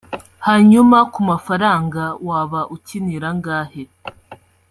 hanyuma ku mafaranga (waba ukinira angahe)